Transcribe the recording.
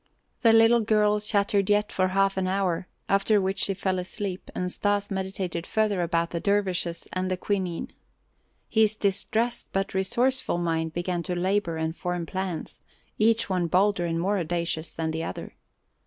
The little girl chattered yet for half an hour, after which she fell asleep and Stas meditated further about the dervishes and quinine. His distressed but resourceful mind began to labor and form plans, each one bolder and more audacious than the other.